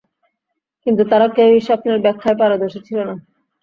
কিন্তু তারা কেউই স্বপ্নের ব্যাখ্যায় পারদর্শী ছিল না।